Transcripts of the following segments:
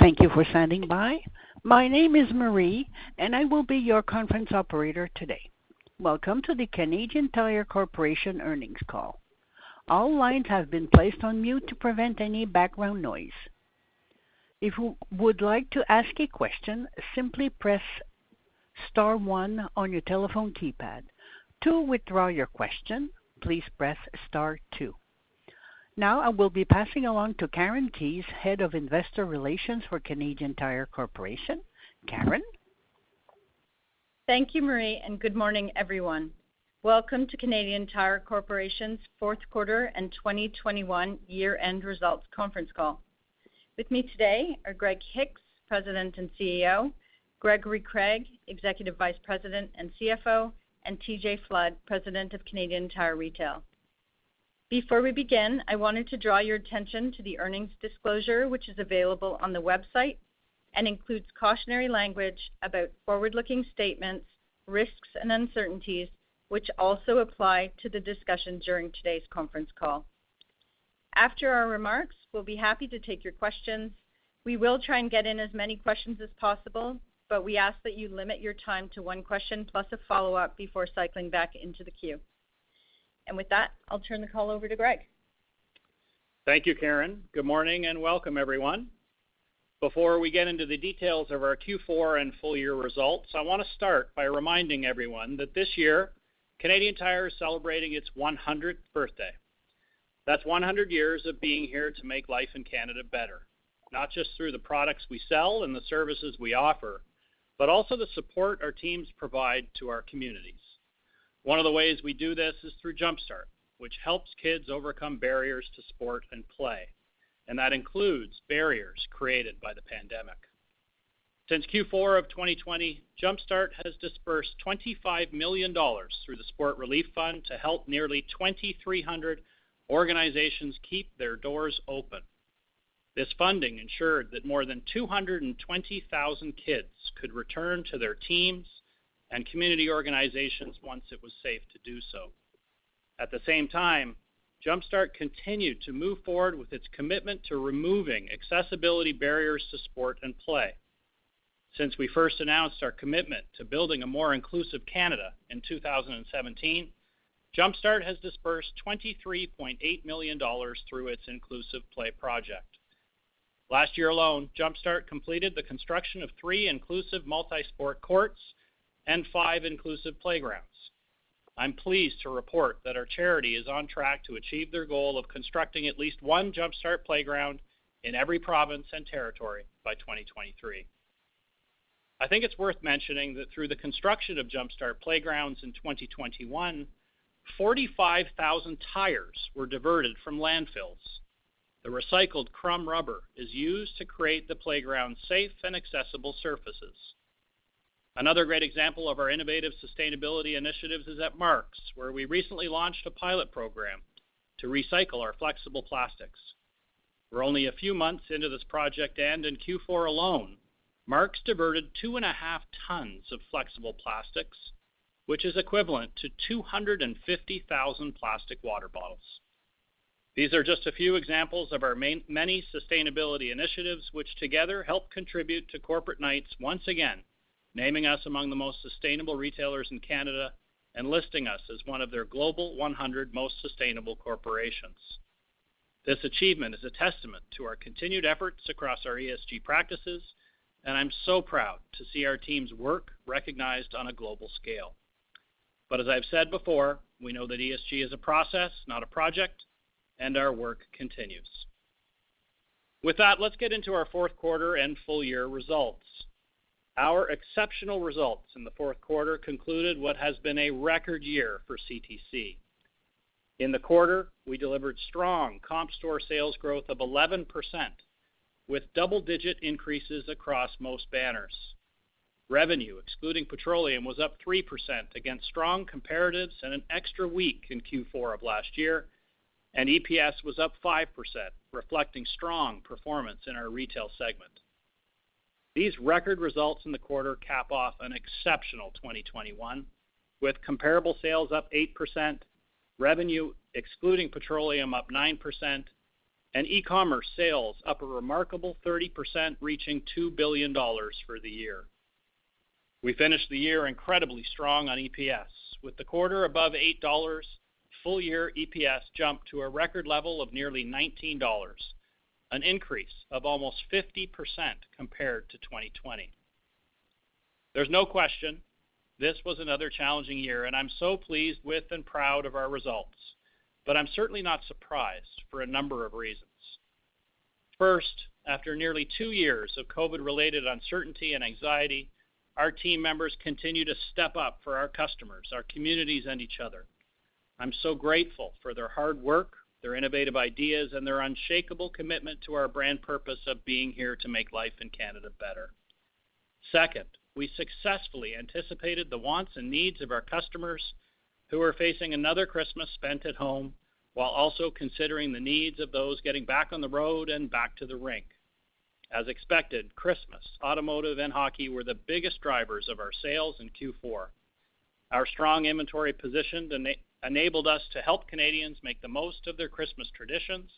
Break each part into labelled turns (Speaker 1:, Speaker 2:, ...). Speaker 1: Thank you for standing by. My name is Marie, and I will be your conference operator today. Welcome to the Canadian Tire Corporation earnings call. All lines have been placed on mute to prevent any background noise. If you would like to ask a question, simply press star one on your telephone keypad. To withdraw your question, please press star two. Now I will be passing along to Karen Keyes, Head of Investor Relations for Canadian Tire Corporation. Karen?
Speaker 2: Thank you, Marie, and good morning, everyone. Welcome to Canadian Tire Corporation's fourth quarter and 2021 year-end results conference call. With me today are Greg Hicks, President and CEO, Gregory Craig, Executive Vice President and CFO, and T.J. Flood, President of Canadian Tire Retail. Before we begin, I wanted to draw your attention to the earnings disclosure, which is available on the website and includes cautionary language about forward-looking statements, risks, and uncertainties, which also apply to the discussion during today's conference call. After our remarks, we'll be happy to take your questions. We will try and get in as many questions as possible, but we ask that you limit your time to one question plus a follow-up before cycling back into the queue. With that, I'll turn the call over to Greg.
Speaker 3: Thank you, Karen. Good morning and welcome, everyone. Before we get into the details of our Q4 and full year results, I want to start by reminding everyone that this year Canadian Tire is celebrating its 100th birthday. That's 100 years of being here to make life in Canada better, not just through the products we sell and the services we offer, but also the support our teams provide to our communities. One of the ways we do this is through Jumpstart, which helps kids overcome barriers to sport and play, and that includes barriers created by the pandemic. Since Q4 of 2020, Jumpstart has disbursed 25 million dollars through the Sport Relief Fund to help nearly 2,300 organizations keep their doors open. This funding ensured that more than 220,000 kids could return to their teams and community organizations once it was safe to do so. At the same time, Jumpstart continued to move forward with its commitment to removing accessibility barriers to sport and play. Since we first announced our commitment to building a more inclusive Canada in 2017, Jumpstart has disbursed 23.8 million dollars through its Inclusive Play project. Last year alone, Jumpstart completed the construction of three inclusive multi-sport courts and five inclusive playgrounds. I'm pleased to report that our charity is on track to achieve their goal of constructing at least one Jumpstart playground in every province and territory by 2023. I think it's worth mentioning that through the construction of Jumpstart playgrounds in 2021, 45,000 tires were diverted from landfills. The recycled crumb rubber is used to create the playground's safe and accessible surfaces. Another great example of our innovative sustainability initiatives is at Mark's, where we recently launched a pilot program to recycle our flexible plastics. We're only a few months into this project, and in Q4 alone, Mark's diverted 2.5 tons of flexible plastics, which is equivalent to 250,000 plastic water bottles. These are just a few examples of our many sustainability initiatives which together help contribute to Corporate Knights once again naming us among the most sustainable retailers in Canada and listing us as one of their Global 100 most sustainable corporations. This achievement is a testament to our continued efforts across our ESG practices, and I'm so proud to see our team's work recognized on a global scale. As I've said before, we know that ESG is a process, not a project, and our work continues. With that, let's get into our fourth quarter and full year results. Our exceptional results in the fourth quarter concluded what has been a record year for CTC. In the quarter, we delivered strong comp store sales growth of 11%, with double-digit increases across most banners. Revenue, excluding petroleum, was up 3% against strong comparatives and an extra week in Q4 of last year, and EPS was up 5%, reflecting strong performance in our retail segment. These record results in the quarter cap off an exceptional 2021, with comparable sales up 8%, revenue excluding petroleum up 9%, and e-commerce sales up a remarkable 30%, reaching 2 billion dollars for the year. We finished the year incredibly strong on EPS. With the quarter above 8 dollars, full-year EPS jumped to a record level of nearly 19 dollars, an increase of almost 50% compared to 2020. There's no question this was another challenging year, and I'm so pleased with and proud of our results, but I'm certainly not surprised for a number of reasons. First, after nearly two years of COVID-related uncertainty and anxiety, our team members continue to step up for our customers, our communities, and each other. I'm so grateful for their hard work, their innovative ideas, and their unshakable commitment to our brand purpose of being here to make life in Canada better. Second, we successfully anticipated the wants and needs of our customers who are facing another Christmas spent at home while also considering the needs of those getting back on the road and back to the rink. As expected, Christmas, automotive, and hockey were the biggest drivers of our sales in Q4. Our strong inventory positioned enabled us to help Canadians make the most of their Christmas traditions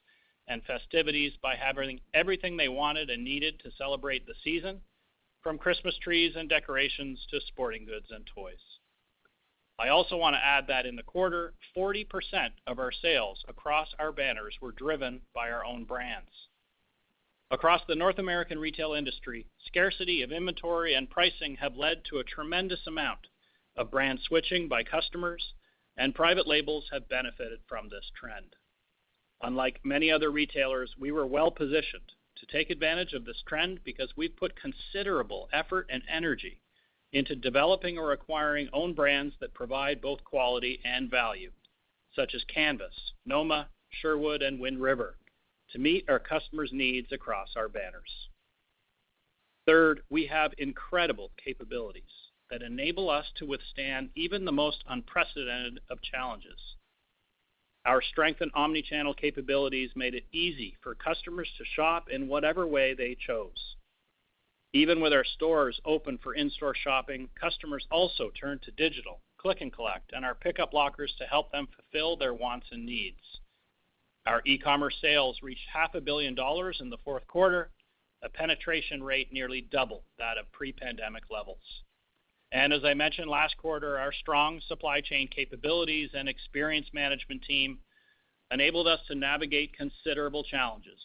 Speaker 3: and festivities by having everything they wanted and needed to celebrate the season, from Christmas trees and decorations to sporting goods and toys. I also wanna add that in the quarter, 40% of our sales across our banners were driven by our own brands. Across the North American retail industry, scarcity of inventory and pricing have led to a tremendous amount of brand switching by customers, and private labels have benefited from this trend. Unlike many other retailers, we were well-positioned to take advantage of this trend because we've put considerable effort and energy into developing or acquiring own brands that provide both quality and value, such as CANVAS, NOMA, Sherwood, and WindRiver to meet our customers' needs across our banners. Third, we have incredible capabilities that enable us to withstand even the most unprecedented of challenges. Our strength in omnichannel capabilities made it easy for customers to shop in whatever way they chose. Even with our stores open for in-store shopping, customers also turned to digital, click-and-collect, and our pickup lockers to help them fulfill their wants and needs. Our e-commerce sales reached 500 million dollars in the fourth quarter, a penetration rate nearly double that of pre-pandemic levels. As I mentioned last quarter, our strong supply chain capabilities and experienced management team enabled us to navigate considerable challenges,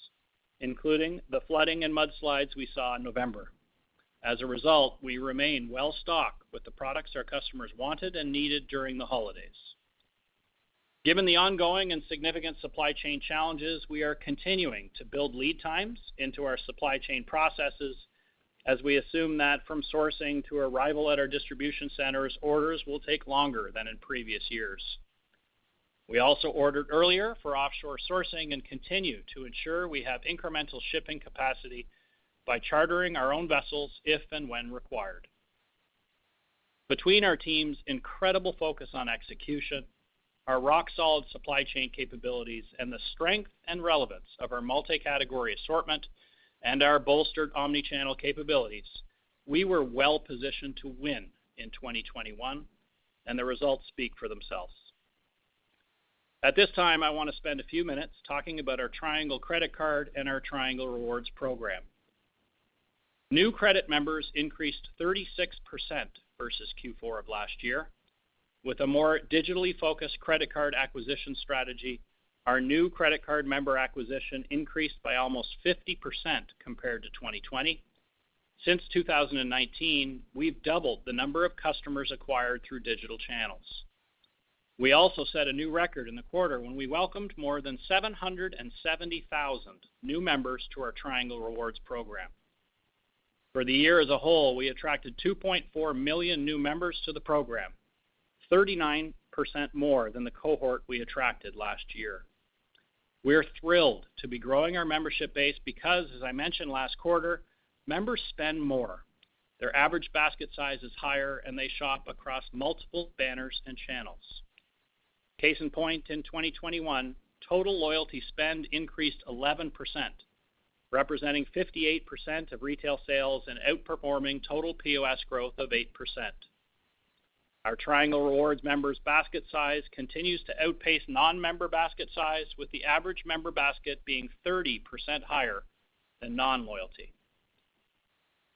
Speaker 3: including the flooding and mudslides we saw in November. As a result, we remain well-stocked with the products our customers wanted and needed during the holidays. Given the ongoing and significant supply chain challenges, we are continuing to build lead times into our supply chain processes, as we assume that from sourcing to arrival at our distribution centers, orders will take longer than in previous years. We also ordered earlier for offshore sourcing and continue to ensure we have incremental shipping capacity by chartering our own vessels if and when required. Between our team's incredible focus on execution, our rock-solid supply chain capabilities, and the strength and relevance of our multi-category assortment and our bolstered omnichannel capabilities, we were well-positioned to win in 2021, and the results speak for themselves. At this time, I wanna spend a few minutes talking about our Triangle credit card and our Triangle Rewards program. New credit members increased 36% versus Q4 of last year. With a more digitally-focused credit card acquisition strategy, our new credit card member acquisition increased by almost 50% compared to 2020. Since 2019, we've doubled the number of customers acquired through digital channels. We also set a new record in the quarter when we welcomed more than 770,000 new members to our Triangle Rewards program. For the year as a whole, we attracted 2.4 million new members to the program, 39% more than the cohort we attracted last year. We're thrilled to be growing our membership base because, as I mentioned last quarter, members spend more. Their average basket size is higher, and they shop across multiple banners and channels. Case in point, in 2021, total loyalty spend increased 11%, representing 58% of retail sales and outperforming total POS growth of 8%. Our Triangle Rewards members' basket size continues to outpace non-member basket size, with the average member basket being 30% higher than non-loyalty.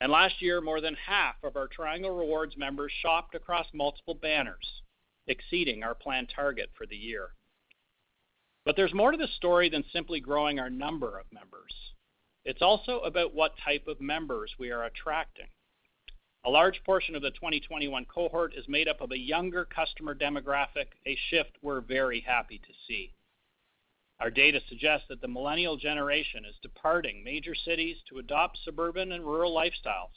Speaker 3: Last year, more than half of our Triangle Rewards members shopped across multiple banners, exceeding our planned target for the year. There's more to the story than simply growing our number of members. It's also about what type of members we are attracting. A large portion of the 2021 cohort is made up of a younger customer demographic, a shift we're very happy to see. Our data suggests that the millennial generation is departing major cities to adopt suburban and rural lifestyles,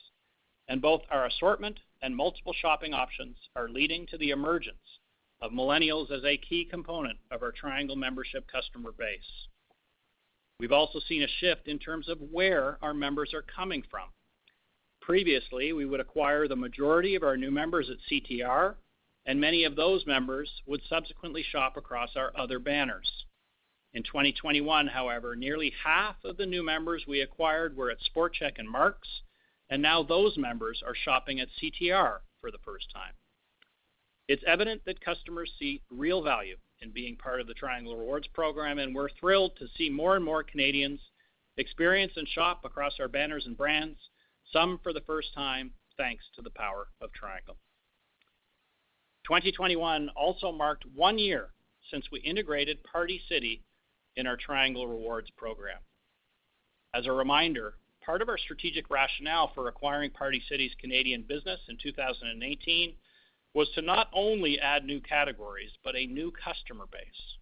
Speaker 3: and both our assortment and multiple shopping options are leading to the emergence of millennials as a key component of our Triangle membership customer base. We've also seen a shift in terms of where our members are coming from. Previously, we would acquire the majority of our new members at CTR, and many of those members would subsequently shop across our other banners. In 2021, however, nearly half of the new members we acquired were at Sport Chek and Mark's, and now those members are shopping at CTR for the first time. It's evident that customers see real value in being part of the Triangle Rewards program, and we're thrilled to see more and more Canadians experience and shop across our banners and brands, some for the first time, thanks to the power of Triangle. 2021 also marked one year since we integrated Party City in our Triangle Rewards program. As a reminder, part of our strategic rationale for acquiring Party City's Canadian business in 2018 was to not only add new categories but a new customer base.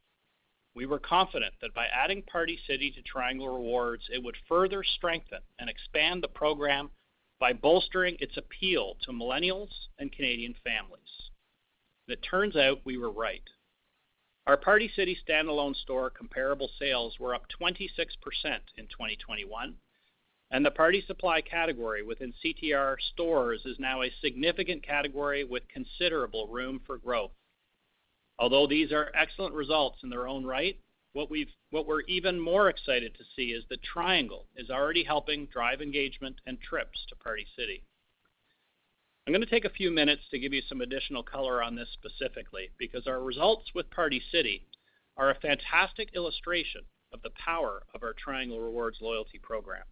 Speaker 3: We were confident that by adding Party City to Triangle Rewards, it would further strengthen and expand the program by bolstering its appeal to millennials and Canadian families. It turns out we were right. Our Party City standalone store comparable sales were up 26% in 2021, and the party supply category within CTR stores is now a significant category with considerable room for growth. Although these are excellent results in their own right, what we're even more excited to see is that the Triangle is already helping drive engagement and trips to Party City. I'm gonna take a few minutes to give you some additional color on this specifically because our results with Party City are a fantastic illustration of the power of our Triangle Rewards loyalty program.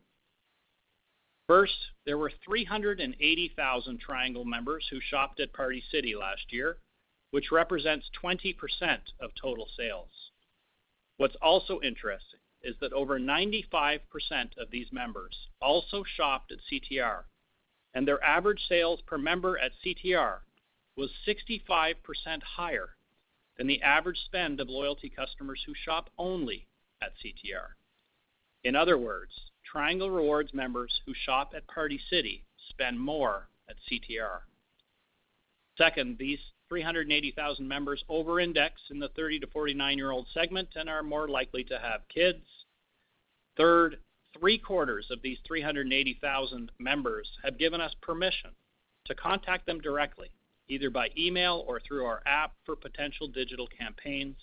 Speaker 3: First, there were 380,000 Triangle members who shopped at Party City last year, which represents 20% of total sales. What's also interesting is that over 95% of these members also shopped at CTR, and their average sales per member at CTR was 65% higher than the average spend of loyalty customers who shop only at CTR. In other words, Triangle Rewards members who shop at Party City spend more at CTR. Second, these 380,000 members over-index in the 30- to 49-year-old segment and are more likely to have kids. Third, three-quarters of these 380,000 members have given us permission to contact them directly, either by email or through our app for potential digital campaigns,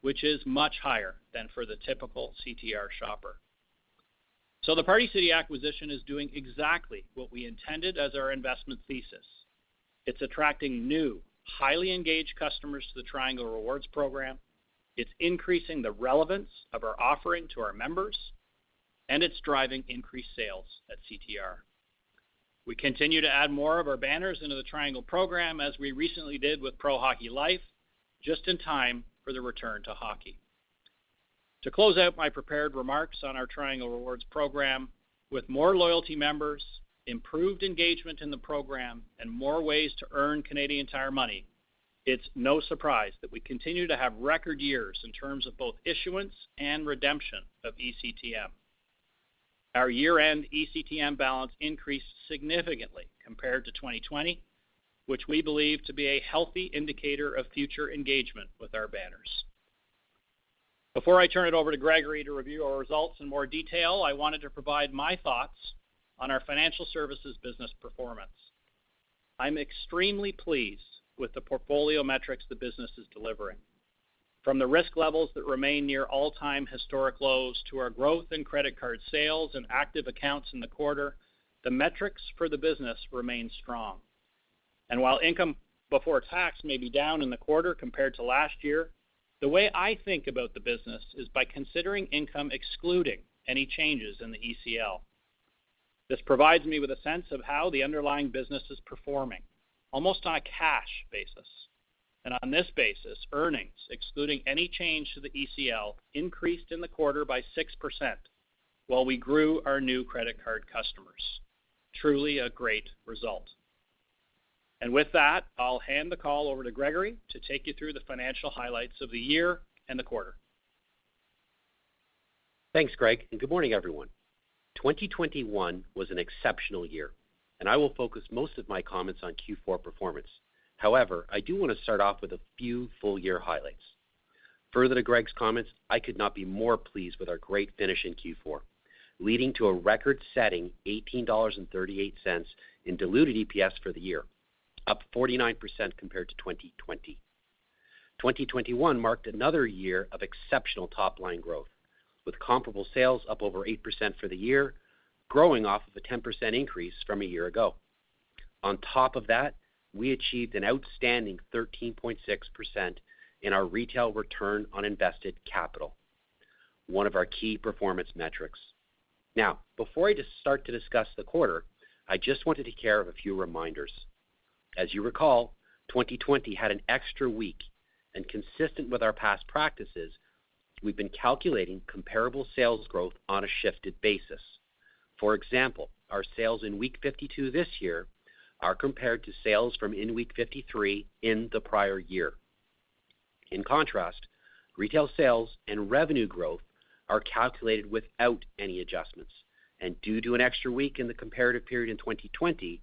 Speaker 3: which is much higher than for the typical CTR shopper. The Party City acquisition is doing exactly what we intended as our investment thesis. It's attracting new, highly engaged customers to the Triangle Rewards program. It's increasing the relevance of our offering to our members, and it's driving increased sales at CTR. We continue to add more of our banners into the Triangle program, as we recently did with Pro Hockey Life, just in time for the return to hockey. To close out my prepared remarks on our Triangle Rewards program, with more loyalty members, improved engagement in the program, and more ways to earn Canadian Tire Money, it's no surprise that we continue to have record years in terms of both issuance and redemption of ECTM. Our year-end ECTM balance increased significantly compared to 2020, which we believe to be a healthy indicator of future engagement with our banners. Before I turn it over to Gregory to review our results in more detail, I wanted to provide my thoughts on our financial services business performance. I'm extremely pleased with the portfolio metrics the business is delivering. From the risk levels that remain near all-time historic lows to our growth in credit card sales and active accounts in the quarter, the metrics for the business remain strong. While income before tax may be down in the quarter compared to last year, the way I think about the business is by considering income excluding any changes in the ECL. This provides me with a sense of how the underlying business is performing, almost on a cash basis. On this basis, earnings, excluding any change to the ECL, increased in the quarter by 6% while we grew our new credit card customers. Truly a great result. With that, I'll hand the call over to Gregory to take you through the financial highlights of the year and the quarter.
Speaker 4: Thanks, Greg, and good morning, everyone. 2021 was an exceptional year, and I will focus most of my comments on Q4 performance. However, I do want to start off with a few full-year highlights. Further to Greg's comments, I could not be more pleased with our great finish in Q4, leading to a record-setting 18.38 in diluted EPS for the year, up 49% compared to 2020. 2021 marked another year of exceptional top-line growth, with comparable sales up over 8% for the year, growing off of a 10% increase from a year ago. On top of that, we achieved an outstanding 13.6% in our retail return on invested capital, one of our key performance metrics. Now, before I just start to discuss the quarter, I just want to take care of a few reminders. As you recall, 2020 had an extra week, and consistent with our past practices, we've been calculating comparable sales growth on a shifted basis. For example, our sales in week 52 this year are compared to sales from in week 53 in the prior year. In contrast, retail sales and revenue growth are calculated without any adjustments, and due to an extra week in the comparative period in 2020,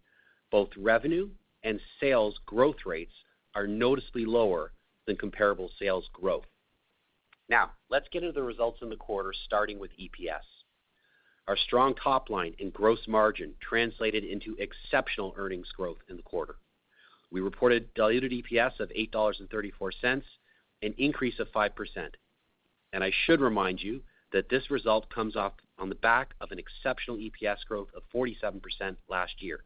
Speaker 4: both revenue and sales growth rates are noticeably lower than comparable sales growth. Now, let's get into the results in the quarter, starting with EPS. Our strong top line in gross margin translated into exceptional earnings growth in the quarter. We reported diluted EPS of 8.34 dollars, an increase of 5%. I should remind you that this result comes up on the back of an exceptional EPS growth of 47% last year.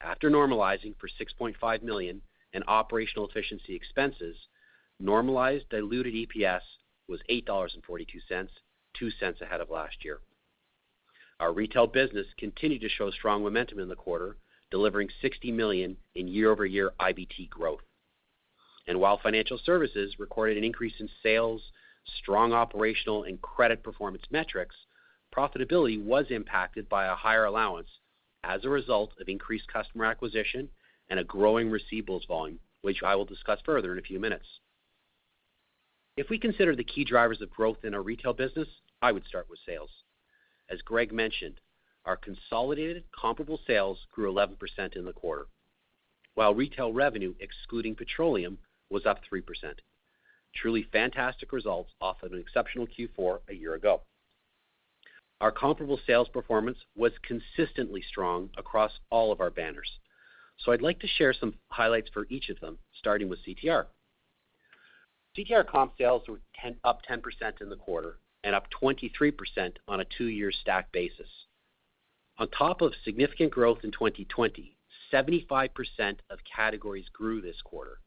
Speaker 4: After normalizing for 6.5 million in operational efficiency expenses, normalized diluted EPS was 8.42 dollars, 0.02 ahead of last year. Our retail business continued to show strong momentum in the quarter, delivering 60 million in year-over-year IBT growth. While financial services recorded an increase in sales, strong operational and credit performance metrics, profitability was impacted by a higher allowance as a result of increased customer acquisition and a growing receivables volume, which I will discuss further in a few minutes. If we consider the key drivers of growth in our retail business, I would start with sales. As Greg mentioned, our consolidated comparable sales grew 11% in the quarter, while retail revenue, excluding petroleum, was up 3%. Truly fantastic results off of an exceptional Q4 a year ago. Our comparable sales performance was consistently strong across all of our banners. I'd like to share some highlights for each of them, starting with CTR. CTR comp sales were up 10% in the quarter, and up 23% on a two-year stack basis. On top of significant growth in 2020, 75% of categories grew this quarter,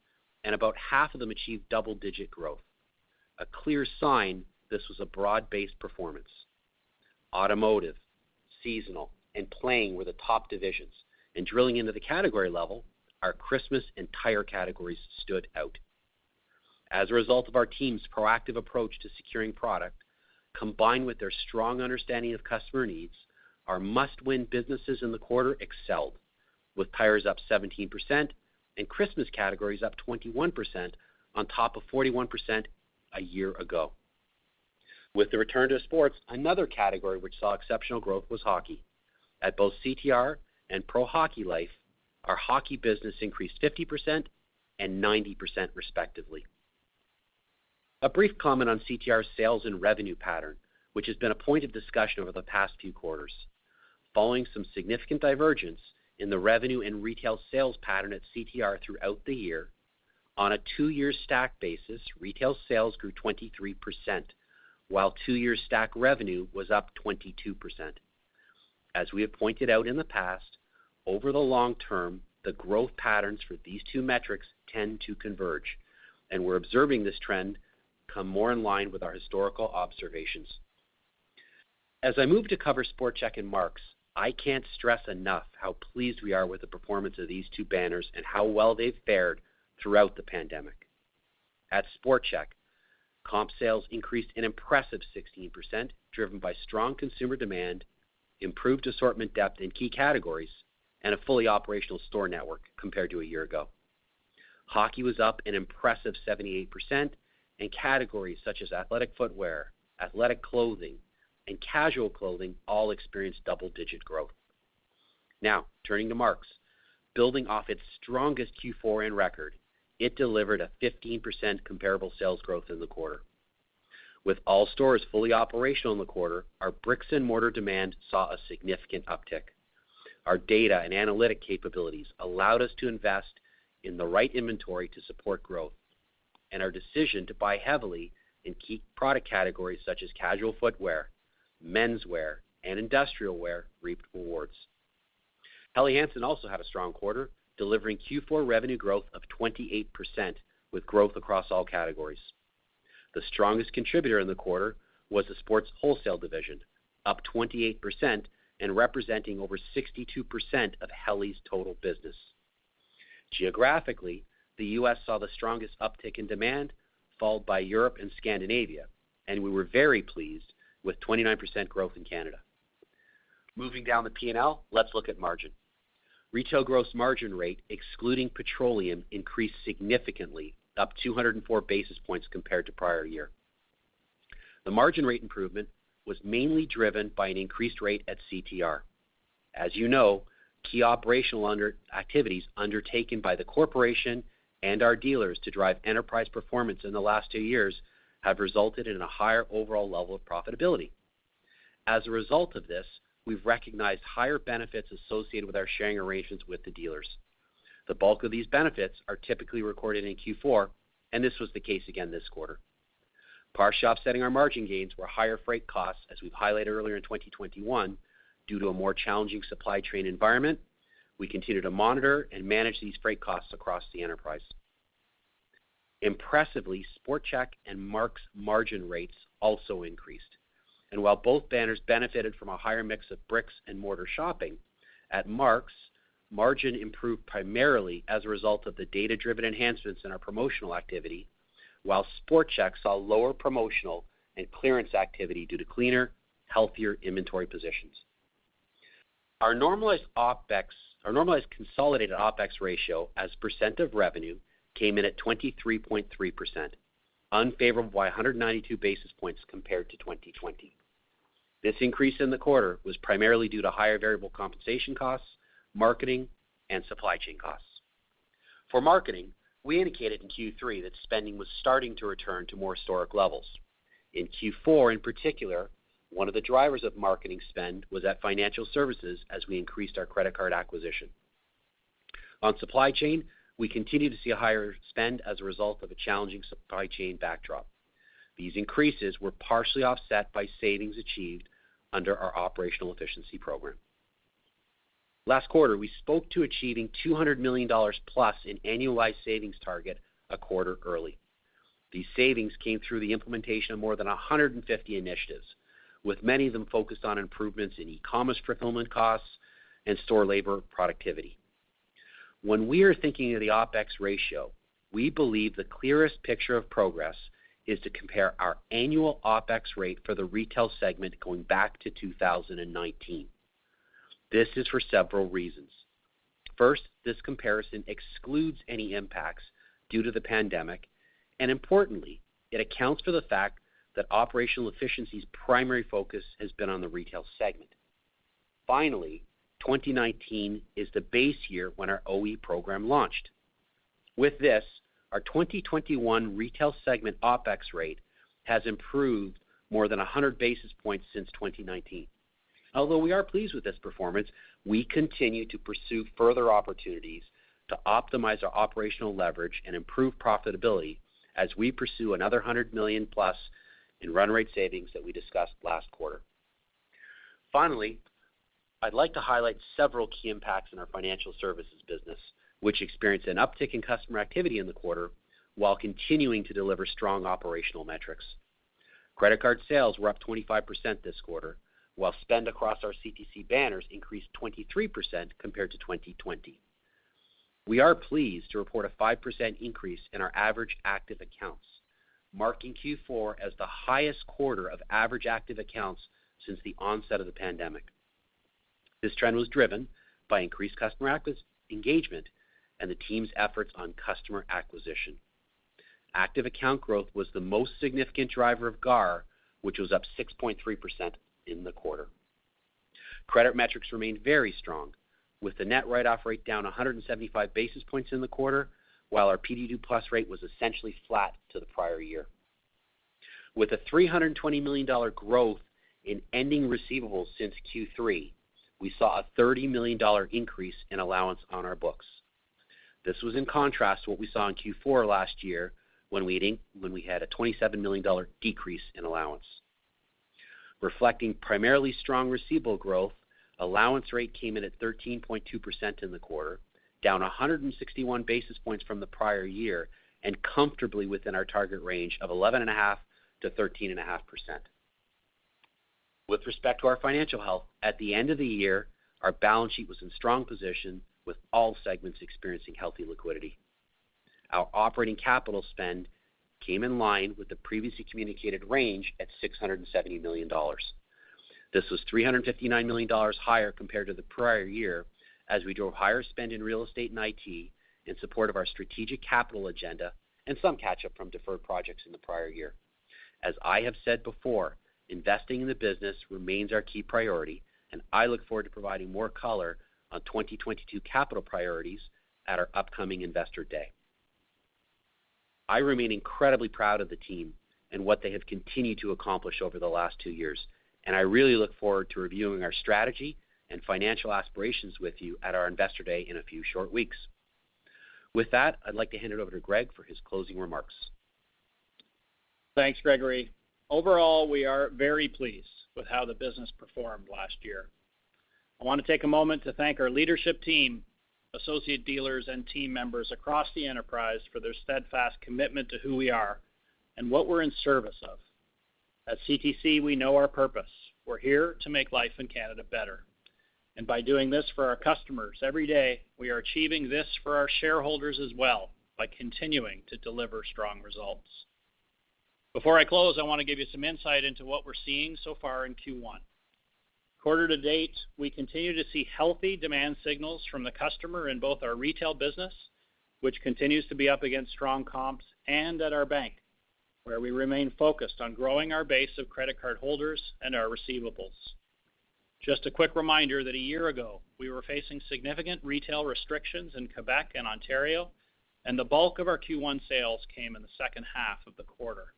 Speaker 4: and about half of them achieved double-digit growth. A clear sign this was a broad-based performance. Automotive, seasonal, and play were the top divisions. In drilling into the category level, our Christmas and tire categories stood out. As a result of our team's proactive approach to securing product, combined with their strong understanding of customer needs, our must-win businesses in the quarter excelled, with tires up 17% and Christmas categories up 21% on top of 41% a year ago. With the return to sports, another category which saw exceptional growth was hockey. At both CTR and Pro Hockey Life, our hockey business increased 50% and 90%, respectively. A brief comment on CTR's sales and revenue pattern, which has been a point of discussion over the past few quarters, following some significant divergence in the revenue and retail sales pattern at CTR throughout the year, on a two-year stack basis, retail sales grew 23%, while two-year stack revenue was up 22%. As we have pointed out in the past, over the long term, the growth patterns for these two metrics tend to converge, and we're observing this trend come more in line with our historical observations. As I move to cover Sport Chek and Mark's, I can't stress enough how pleased we are with the performance of these two banners and how well they've fared throughout the pandemic. At Sport Chek, comp sales increased an impressive 16%, driven by strong consumer demand, improved assortment depth in key categories, and a fully operational store network compared to a year ago. Hockey was up an impressive 78%, and categories such as athletic footwear, athletic clothing, and casual clothing all experienced double-digit growth. Now, turning to Mark's. Building off its strongest Q4 on record, it delivered a 15% comparable sales growth in the quarter. With all stores fully operational in the quarter, our brick-and-mortar demand saw a significant uptick. Our data and analytic capabilities allowed us to invest in the right inventory to support growth, and our decision to buy heavily in key product categories such as casual footwear, menswear, and industrial wear reaped rewards. Helly Hansen also had a strong quarter, delivering Q4 revenue growth of 28%, with growth across all categories. The strongest contributor in the quarter was the sports wholesale division, up 28% and representing over 62% of Helly's total business. Geographically, the U.S. saw the strongest uptick in demand, followed by Europe and Scandinavia, and we were very pleased with 29% growth in Canada. Moving down the P&L, let's look at margin. Retail gross margin rate, excluding petroleum, increased significantly, up 204 basis points compared to prior year. The margin rate improvement was mainly driven by an increased rate at CTR. As you know, key operational activities undertaken by the corporation and our dealers to drive enterprise performance in the last two years have resulted in a higher overall level of profitability. As a result of this, we've recognized higher benefits associated with our sharing arrangements with the dealers. The bulk of these benefits are typically recorded in Q4, and this was the case again this quarter. Part offsetting our margin gains were higher freight costs, as we've highlighted earlier in 2021, due to a more challenging supply chain environment. We continue to monitor and manage these freight costs across the enterprise. Impressively, Sport Chek and Mark's margin rates also increased. While both banners benefited from a higher mix of bricks-and-mortar shopping, at Mark's, margin improved primarily as a result of the data-driven enhancements in our promotional activity, while Sport Chek saw lower promotional and clearance activity due to cleaner, healthier inventory positions. Our normalized consolidated OpEx ratio as percent of revenue came in at 23.3%, unfavorable by 192 basis points compared to 2020. This increase in the quarter was primarily due to higher variable compensation costs, marketing, and supply chain costs. For marketing, we indicated in Q3 that spending was starting to return to more historic levels. In Q4, in particular, one of the drivers of marketing spend was at financial services as we increased our credit card acquisition. On supply chain, we continue to see a higher spend as a result of a challenging supply chain backdrop. These increases were partially offset by savings achieved under our operational efficiency program. Last quarter, we spoke to achieving 200 million dollars+ in annualized savings target a quarter early. These savings came through the implementation of more than 150 initiatives, with many of them focused on improvements in e-commerce fulfillment costs and store labor productivity. When we are thinking of the OpEx ratio, we believe the clearest picture of progress is to compare our annual OpEx rate for the retail segment going back to 2019. This is for several reasons. First, this comparison excludes any impacts due to the pandemic, and importantly, it accounts for the fact that operational efficiency's primary focus has been on the retail segment. Finally, 2019 is the base year when our OE program launched. With this, our 2021 retail segment OpEx rate has improved more than 100 basis points since 2019. Although we are pleased with this performance, we continue to pursue further opportunities to optimize our operational leverage and improve profitability as we pursue another 100 million+ in run rate savings that we discussed last quarter. Finally, I'd like to highlight several key impacts in our financial services business, which experienced an uptick in customer activity in the quarter while continuing to deliver strong operational metrics. Credit card sales were up 25% this quarter, while spend across our CTC banners increased 23% compared to 2020. We are pleased to report a 5% increase in our average active accounts, marking Q4 as the highest quarter of average active accounts since the onset of the pandemic. This trend was driven by increased customer acquisition engagement and the team's efforts on customer acquisition. Active account growth was the most significant driver of GAAR, which was up 6.3% in the quarter. Credit metrics remained very strong, with the net write-off rate down 175 basis points in the quarter, while our PD2+ rate was essentially flat to the prior year. With a 320 million dollar growth in ending receivables since Q3, we saw a 30 million dollar increase in allowance on our books. This was in contrast to what we saw in Q4 last year when we had a 27 million dollar decrease in allowance. Reflecting primarily strong receivable growth, allowance rate came in at 13.2% in the quarter, down 161 basis points from the prior year and comfortably within our target range of 11.5%-13.5%. With respect to our financial health, at the end of the year, our balance sheet was in strong position with all segments experiencing healthy liquidity. Our operating capital spend came in line with the previously communicated range at 670 million dollars. This was 359 million dollars higher compared to the prior year as we drove higher spend in real estate and IT in support of our strategic capital agenda and some catch-up from deferred projects in the prior year. As I have said before, investing in the business remains our key priority, and I look forward to providing more color on 2022 capital priorities at our upcoming Investor Day. I remain incredibly proud of the team and what they have continued to accomplish over the last two years, and I really look forward to reviewing our strategy and financial aspirations with you at our Investor Day in a few short weeks. With that, I'd like to hand it over to Greg for his closing remarks.
Speaker 3: Thanks, Gregory. Overall, we are very pleased with how the business performed last year. I want to take a moment to thank our leadership team, associate dealers, and team members across the enterprise for their steadfast commitment to who we are and what we're in service of. At CTC, we know our purpose. We're here to make life in Canada better. By doing this for our customers every day, we are achieving this for our shareholders as well by continuing to deliver strong results. Before I close, I want to give you some insight into what we're seeing so far in Q1. Quarter to date, we continue to see healthy demand signals from the customer in both our retail business, which continues to be up against strong comps, and at our bank, where we remain focused on growing our base of credit card holders and our receivables. Just a quick reminder that a year ago, we were facing significant retail restrictions in Quebec and Ontario, and the bulk of our Q1 sales came in the second half of the quarter.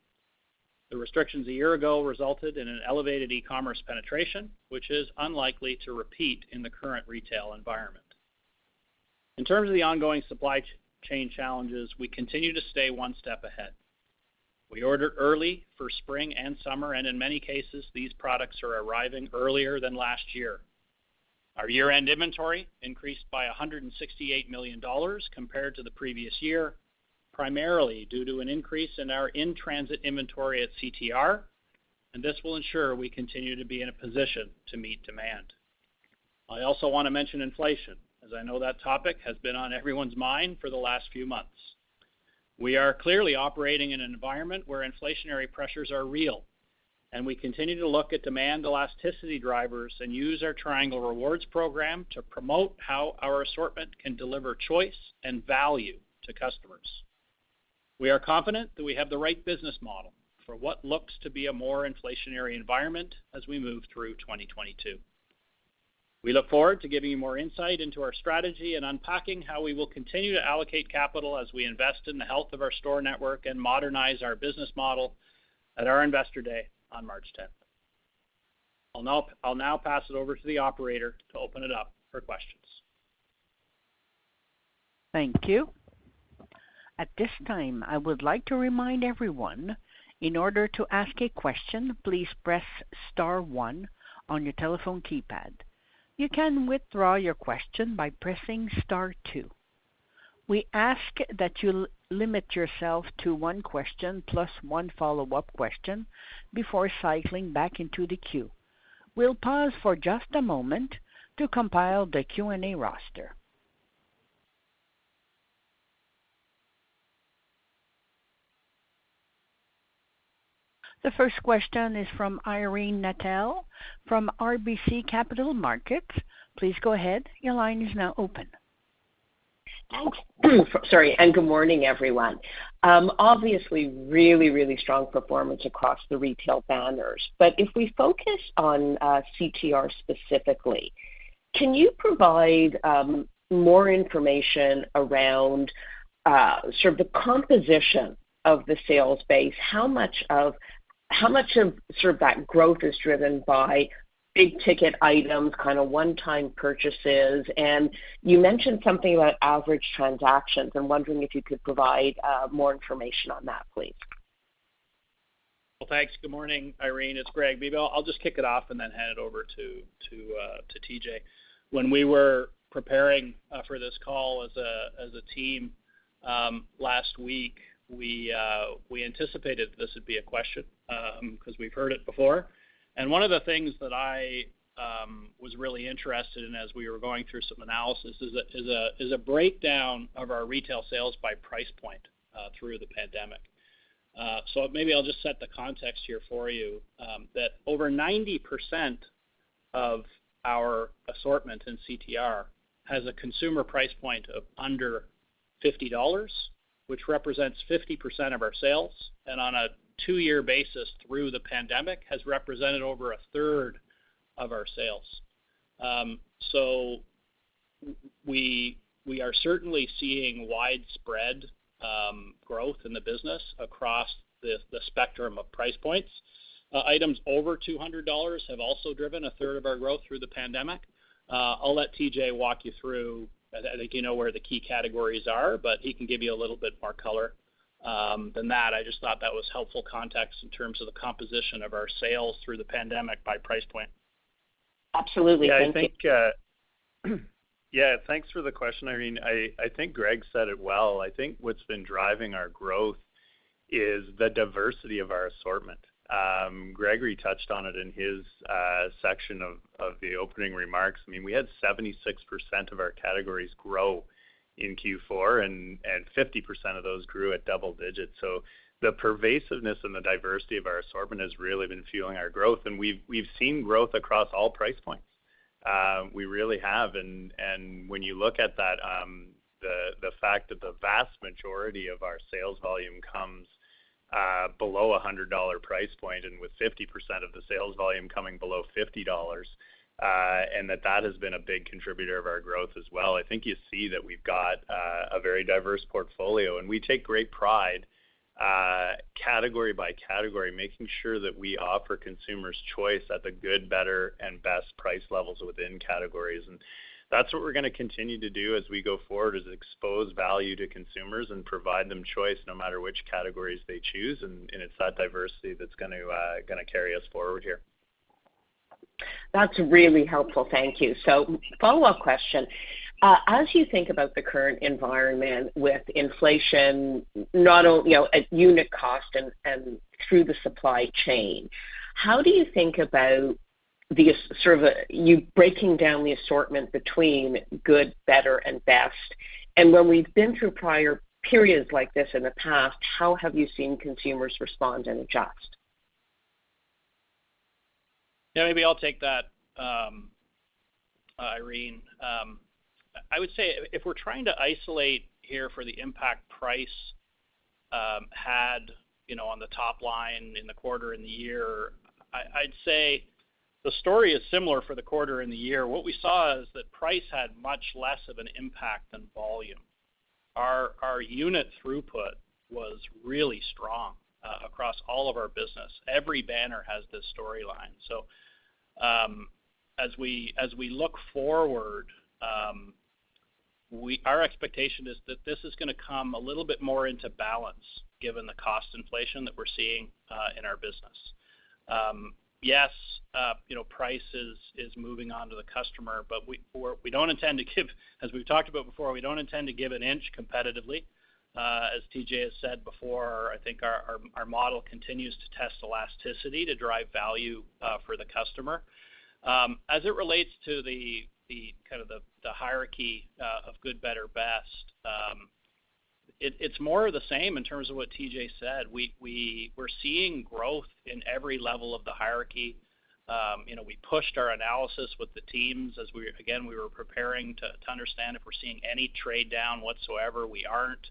Speaker 3: The restrictions a year ago resulted in an elevated e-commerce penetration, which is unlikely to repeat in the current retail environment. In terms of the ongoing supply chain challenges, we continue to stay one step ahead. We order early for spring and summer, and in many cases, these products are arriving earlier than last year. Our year-end inventory increased by 168 million dollars compared to the previous year, primarily due to an increase in our in-transit inventory at CTR, and this will ensure we continue to be in a position to meet demand. I also want to mention inflation, as I know that topic has been on everyone's mind for the last few months. We are clearly operating in an environment where inflationary pressures are real, and we continue to look at demand elasticity drivers and use our Triangle Rewards program to promote how our assortment can deliver choice and value to customers. We are confident that we have the right business model for what looks to be a more inflationary environment as we move through 2022. We look forward to giving you more insight into our strategy and unpacking how we will continue to allocate capital as we invest in the health of our store network and modernize our business model at our Investor Day on March 10th. I'll now pass it over to the operator to open it up for questions.
Speaker 1: Thank you. At this time, I would like to remind everyone, in order to ask a question, please press star one on your telephone keypad. You can withdraw your question by pressing star two. We ask that you limit yourself to one question plus one follow-up question before cycling back into the queue. We'll pause for just a moment to compile the Q&A roster. The first question is from Irene Nattel from RBC Capital Markets. Please go ahead. Your line is now open.
Speaker 5: Sorry, and good morning, everyone. Obviously really strong performance across the retail banners. If we focus on CTR specifically, can you provide more information around sort of the composition of the sales base? How much of sort of that growth is driven by big ticket items, kind of one-time purchases? You mentioned something about average transactions. I'm wondering if you could provide more information on that, please.
Speaker 3: Well, thanks. Good morning, Irene. It's Greg. Maybe I'll just kick it off and then hand it over to T.J. When we were preparing for this call as a team last week, we anticipated this would be a question because we've heard it before. One of the things that I was really interested in as we were going through some analysis is a breakdown of our retail sales by price point through the pandemic. Maybe I'll just set the context here for you that over 90% of our assortment in CTR has a consumer price point of under 50 dollars, which represents 50% of our sales, and on a two-year basis through the pandemic has represented over 1/3 of our sales. We are certainly seeing widespread growth in the business across the spectrum of price points. Items over 200 dollars have also driven 1/3 of our growth through the pandemic. I'll let T.J. walk you through. I think you know where the key categories are, but he can give you a little bit more color than that. I just thought that was helpful context in terms of the composition of our sales through the pandemic by price point.
Speaker 5: Absolutely. Thank you.
Speaker 6: Yeah, I think, thanks for the question, Irene. I think Greg said it well. I think what's been driving our growth is the diversity of our assortment. Gregory touched on it in his section of the opening remarks. I mean, we had 76% of our categories grow in Q4 and 50% of those grew at double digits. The pervasiveness and the diversity of our assortment has really been fueling our growth. We've seen growth across all price points, we really have. When you look at that, the fact that the vast majority of our sales volume comes below a 100 dollar price point and with 50% of the sales volume coming below 50 dollars, and that has been a big contributor of our growth as well. I think you see that we've got a very diverse portfolio, and we take great pride, category by category, making sure that we offer consumers choice at the good, better, and best price levels within categories. That's what we're gonna continue to do as we go forward, is expose value to consumers and provide them choice no matter which categories they choose, and it's that diversity that's gonna carry us forward here.
Speaker 5: That's really helpful. Thank you. Follow-up question. As you think about the current environment with inflation, you know, at unit cost and through the supply chain, how do you think about sort of you breaking down the assortment between good, better, and best? When we've been through prior periods like this in the past, how have you seen consumers respond and adjust?
Speaker 3: Yeah, maybe I'll take that, Irene. I would say if we're trying to isolate the impact that price had, you know, on the top line in the quarter and the year, I'd say the story is similar for the quarter and the year. What we saw is that price had much less of an impact than volume. Our unit throughput was really strong across all of our business. Every banner has this storyline. As we look forward, our expectation is that this is gonna come a little bit more into balance given the cost inflation that we're seeing in our business. Yes, you know, price is moving on to the customer, but we don't intend to give, as we've talked about before, an inch competitively. As T.J. has said before, I think our model continues to test elasticity to drive value for the customer. As it relates to the hierarchy of good, better, best, it's more of the same in terms of what T.J. said. We're seeing growth in every level of the hierarchy. You know, we pushed our analysis with the teams as we were preparing to understand if we're seeing any trade down whatsoever. We aren't.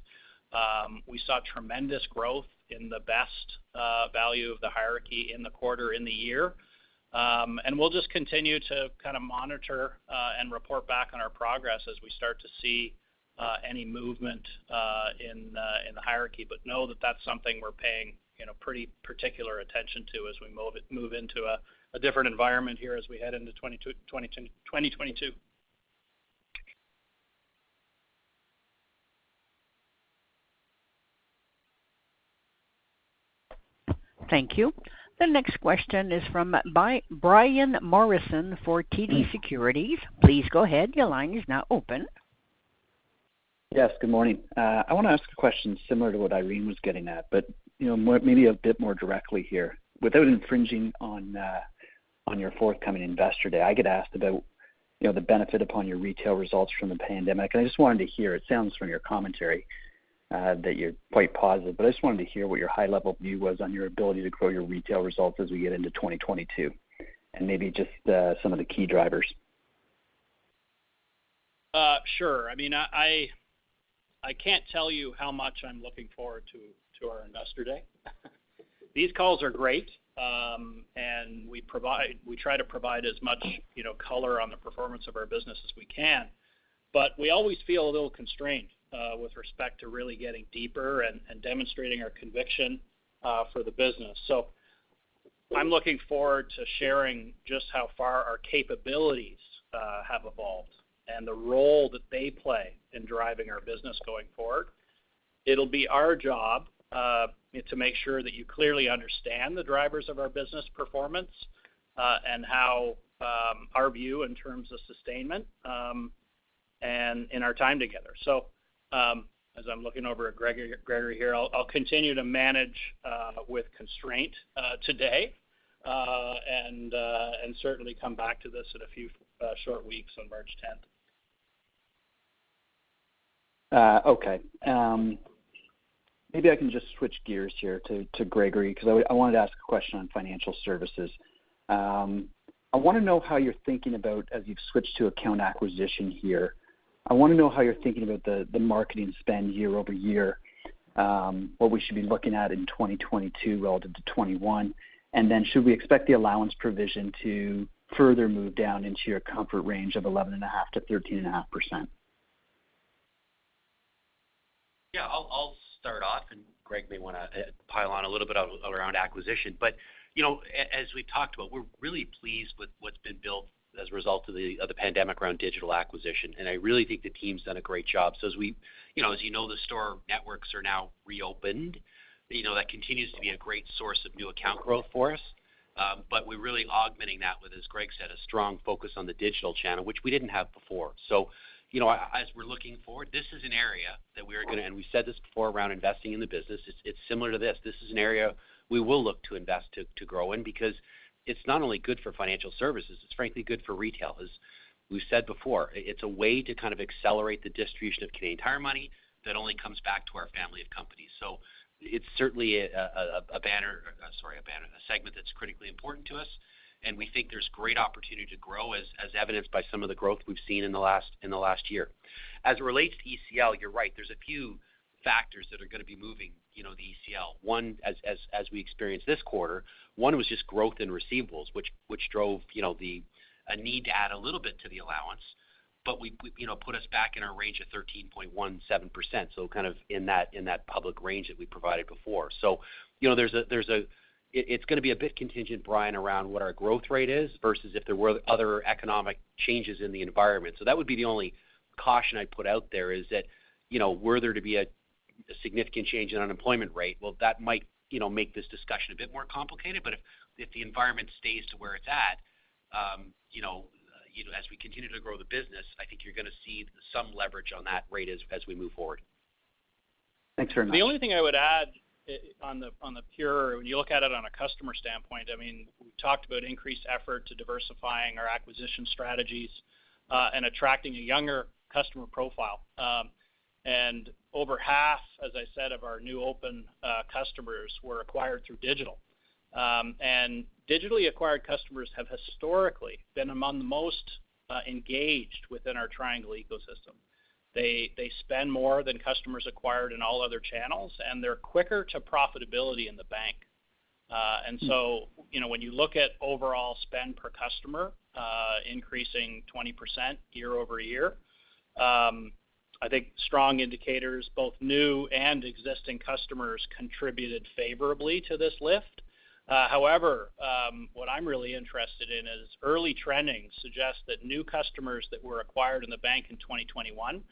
Speaker 3: We saw tremendous growth in the best value of the hierarchy in the quarter, in the year. We'll just continue to kind of monitor and report back on our progress as we start to see any movement in the hierarchy. Know that that's something we're paying, you know, pretty particular attention to as we move into a different environment here as we head into 2022.
Speaker 1: Thank you. The next question is from Brian Morrison for TD Securities. Please go ahead. Your line is now open.
Speaker 7: Yes, good morning. I wanna ask a question similar to what Irene was getting at, but, you know, maybe a bit more directly here. Without infringing on your forthcoming Investor Day, I get asked about, you know, the benefit upon your retail results from the pandemic, and I just wanted to hear. It sounds from your commentary that you're quite positive. I just wanted to hear what your high-level view was on your ability to grow your retail results as we get into 2022, and maybe just, some of the key drivers.
Speaker 3: Sure. I mean, I can't tell you how much I'm looking forward to our Investor Day. These calls are great, and we try to provide as much, you know, color on the performance of our business as we can. We always feel a little constrained with respect to really getting deeper and demonstrating our conviction for the business. I'm looking forward to sharing just how far our capabilities have evolved and the role that they play in driving our business going forward. It'll be our job to make sure that you clearly understand the drivers of our business performance and how our view in terms of sustainment and in our time together. As I'm looking over at Gregory here, I'll continue to manage with constraint today. Certainly come back to this in a few short weeks on March 10th.
Speaker 7: Okay. Maybe I can just switch gears here to Gregory, 'cause I wanted to ask a question on financial services. I wanna know how you're thinking about as you've switched to account acquisition here. I wanna know how you're thinking about the marketing spend year-over-year, what we should be looking at in 2022 relative to 2021. Then should we expect the allowance provision to further move down into your comfort range of 11.5%-13.5%?
Speaker 4: Yeah, I'll start off, and Greg may wanna pile on a little bit around acquisition. You know, as we've talked about, we're really pleased with what's been built as a result of the pandemic around digital acquisition, and I really think the team's done a great job. You know, as you know, the store networks are now reopened. You know, that continues to be a great source of new account growth for us, but we're really augmenting that with, as Greg said, a strong focus on the digital channel, which we didn't have before. You know, as we're looking forward, this is an area that we are gonna. We said this before around investing in the business. It's similar to this. This is an area we will look to invest to grow in because it's not only good for financial services, it's frankly good for retail. As we've said before, it's a way to kind of accelerate the distribution of Canadian Tire Money that only comes back to our family of companies. It's certainly a banner, a segment that's critically important to us, and we think there's great opportunity to grow, as evidenced by some of the growth we've seen in the last year. As it relates to ECL, you're right. There's a few factors that are gonna be moving, you know, the ECL. One, as we experienced this quarter, one was just growth in receivables, which drove, you know, a need to add a little bit to the allowance. We you know, put us back in our range of 13.17%, so kind of in that, in that public range that we provided before. You know, there's a It's gonna be a bit contingent, Brian, around what our growth rate is versus if there were other economic changes in the environment. That would be the only caution I'd put out there, is that, you know, were there to be a significant change in unemployment rate, well, that might, you know, make this discussion a bit more complicated. If the environment stays to where it's at, you know, as we continue to grow the business, I think you're gonna see some leverage on that rate as we move forward.
Speaker 7: Thanks very much.
Speaker 3: The only thing I would add, when you look at it from a customer standpoint, I mean, we've talked about increased effort to diversifying our acquisition strategies and attracting a younger customer profile. Over half, as I said, of our newly opened customers were acquired through digital. Digitally acquired customers have historically been among the most engaged within our Triangle ecosystem. They spend more than customers acquired in all other channels, and they're quicker to profitability in the bank. So-
Speaker 7: Mm-hmm
Speaker 3: You know, when you look at overall spend per customer, increasing 20% year-over-year, I think strong indicators, both new and existing customers contributed favorably to this lift. However, what I'm really interested in is early trends suggest that new customers that were acquired in the bank in 2021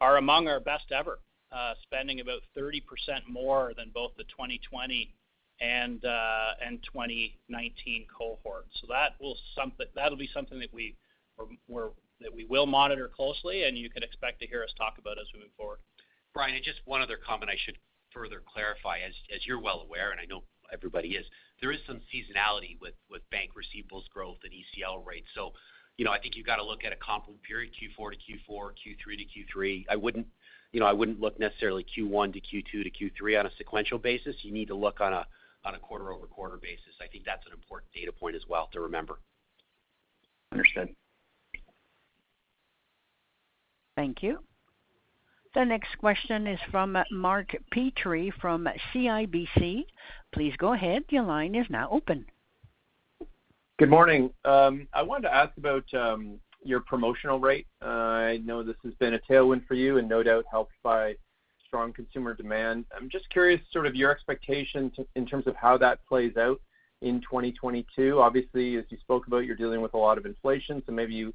Speaker 3: are among our best ever, spending about 30% more than both the 2020 and 2019 cohorts. That'll be something that we will monitor closely and you can expect to hear us talk about as we move forward.
Speaker 4: Brian, just one other comment I should further clarify. As you're well aware, and I know everybody is, there is some seasonality with bank receivables growth and ECL rates. You know, I think you've got to look at a comp period Q4 to Q4, Q3 to Q3. I wouldn't, you know, I wouldn't look necessarily Q1 to Q2 to Q3 on a sequential basis. You need to look on a quarter-over-quarter basis. I think that's an important data point as well to remember.
Speaker 7: Understood.
Speaker 1: Thank you. The next question is from Mark Petrie from CIBC. Please go ahead. Your line is now open.
Speaker 8: Good morning. I wanted to ask about your promotional rate. I know this has been a tailwind for you and no doubt helped by strong consumer demand. I'm just curious sort of your expectation to, in terms of how that plays out in 2022. Obviously, as you spoke about, you're dealing with a lot of inflation, so maybe you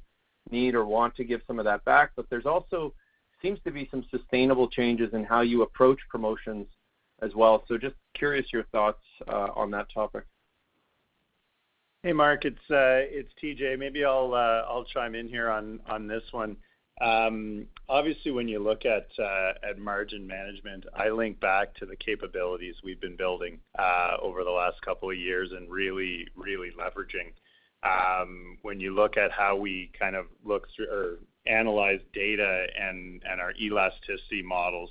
Speaker 8: need or want to give some of that back. There's also seems to be some sustainable changes in how you approach promotions as well. Just curious your thoughts on that topic.
Speaker 6: Hey, Mark. It's T.J. Maybe I'll chime in here on this one. Obviously, when you look at margin management, I link back to the capabilities we've been building over the last couple of years and really leveraging. When you look at how we kind of look Analyze data and our elasticity models.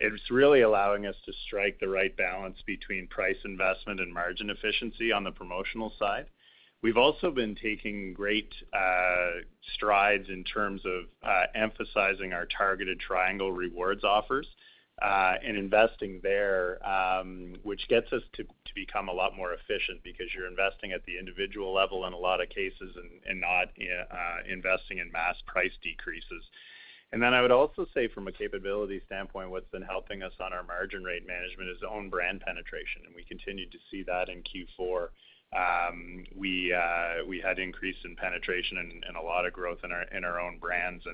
Speaker 6: It's really allowing us to strike the right balance between price investment and margin efficiency on the promotional side. We've also been taking great strides in terms of emphasizing our targeted Triangle Rewards offers and investing there, which gets us to become a lot more efficient because you're investing at the individual level in a lot of cases and not investing in mass price decreases. Then I would also say from a capability standpoint, what's been helping us on our margin rate management is own brand penetration, and we continued to see that in Q4. We had increase in penetration and a lot of growth in our own brands.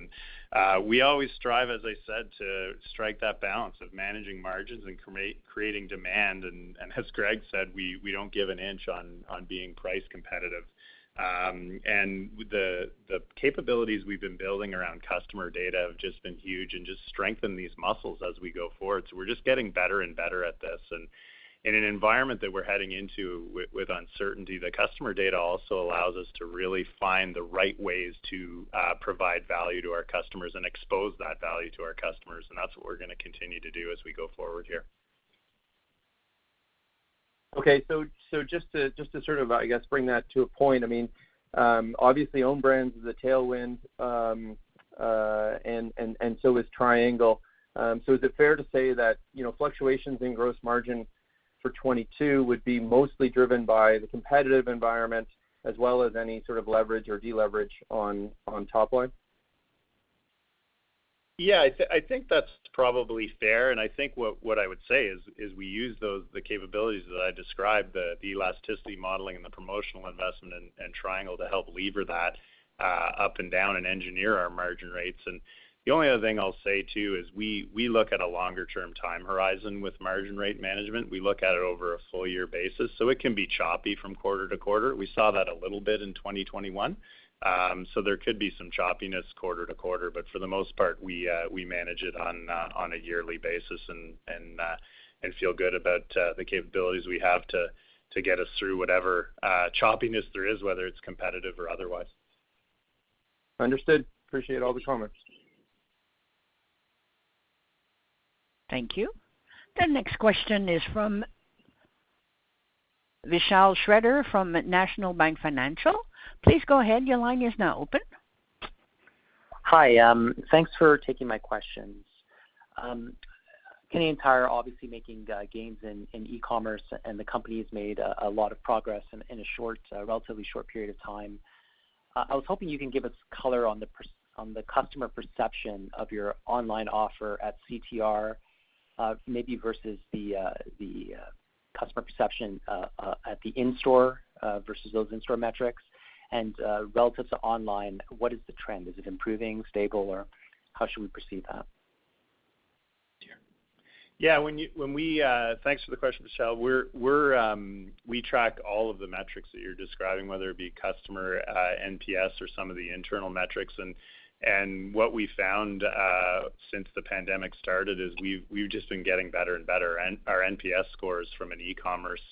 Speaker 6: We always strive, as I said, to strike that balance of managing margins and creating demand. As Greg said, we don't give an inch on being price competitive. The capabilities we've been building around customer data have just been huge and just strengthen these muscles as we go forward. We're just getting better and better at this. In an environment that we're heading into with uncertainty, the customer data also allows us to really find the right ways to provide value to our customers and expose that value to our customers, and that's what we're gonna continue to do as we go forward here.
Speaker 8: Okay. Just to sort of, I guess, bring that to a point, I mean, obviously, own brands is a tailwind, and so is Triangle. Is it fair to say that, you know, fluctuations in gross margin for 2022 would be mostly driven by the competitive environment as well as any sort of leverage or deleverage on top line?
Speaker 6: Yeah, I think that's probably fair, and I think what I would say is we use those, the capabilities that I described, the elasticity modeling and the promotional investment and Triangle to help lever that up and down and engineer our margin rates. The only other thing I'll say, too, is we look at a longer term time horizon with margin rate management. We look at it over a full year basis, so it can be choppy from quarter to quarter. We saw that a little bit in 2021. There could be some choppiness quarter to quarter, but for the most part, we manage it on a yearly basis and feel good about the capabilities we have to get us through whatever choppiness there is, whether it's competitive or otherwise.
Speaker 8: Understood. Appreciate all the comments.
Speaker 1: Thank you. The next question is from Vishal Shreedhar from National Bank Financial. Please go ahead. Your line is now open.
Speaker 9: Hi, thanks for taking my questions. Canadian Tire obviously making gains in e-commerce, and the company has made a lot of progress in a short, relatively short period of time. I was hoping you can give us color on the customer perception of your online offer at CTR, maybe versus the customer perception at the in-store versus those in-store metrics. Relative to online, what is the trend? Is it improving, stable, or how should we perceive that?
Speaker 6: Thanks for the question, Vishal. We track all of the metrics that you're describing, whether it be customer NPS or some of the internal metrics. What we found since the pandemic started is we've just been getting better and better. Our NPS scores from an e-commerce